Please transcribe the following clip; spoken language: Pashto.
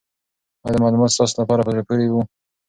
آیا دا معلومات ستاسو لپاره په زړه پورې وو؟